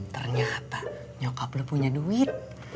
ternyata nyokap lo punya duit